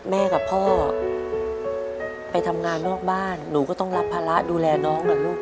แม่กับพ่อไปทำงานนอกบ้านหนูก็ต้องรับภาระดูแลน้องนะลูก